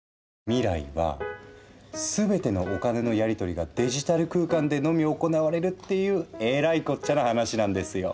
未来は全てのお金のやりとりがデジタル空間でのみ行われるっていうえらいこっちゃな話なんですよ。